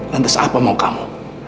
lantas apa mau kamu